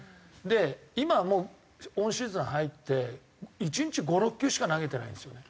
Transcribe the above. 今はもうオンシーズン入って１日５６球しか投げてないんですよね